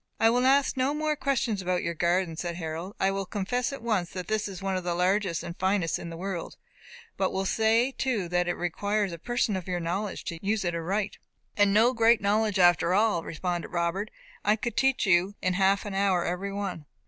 "I will ask no more questions about your garden," said Harold. "I will confess at once that it is one of the largest and finest in the world; but will say too that it requires a person of your knowledge to use it aright." "And no great knowledge after all," responded Robert. "I could teach you in half an hour every one."